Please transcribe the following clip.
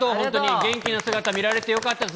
元気な姿見られて、よかったです。